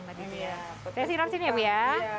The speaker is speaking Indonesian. saya siram sini ya bu ya